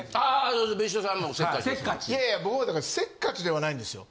いやいや僕はせっかちではないんですよ。